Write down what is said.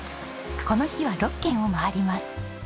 この日は６軒を回ります。